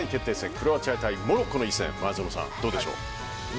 クロアチア対モロッコの一戦前園さん、どうでしょう？